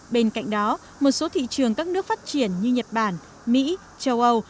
bên cạnh đó một số thị trường các nước phát triển như nhật bản mỹ châu âu